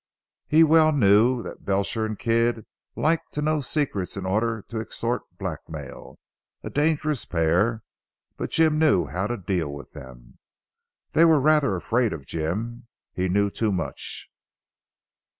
He well knew that Belcher and Kidd liked to know secrets in order to extort blackmail. A dangerous pair; but Jim knew how to deal with them. They were rather afraid of Jim. He knew too much.